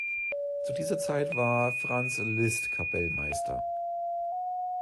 Zu dieser Zeit war Franz Liszt Kapellmeister.